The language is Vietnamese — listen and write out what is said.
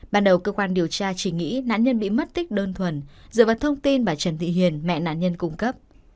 ban đầu cơ quan điều tra chỉ nghĩ nạn nhân bị mất tích đơn thuần dựa vào thông tin bà trần thị hiền mẹ nạn nhân cung cấp